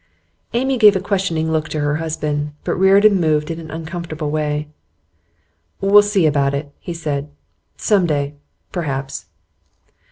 Amy gave a questioning look at her husband. But Reardon moved in an uncomfortable way. 'We'll see about it,' he said. 'Some day, perhaps.